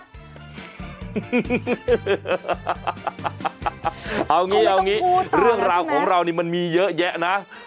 คงไม่ต้องพูดต่อนะใช่ไหมเอาอย่างนี้เรื่องราวของเรานี่มันมีเยอะแยะนะ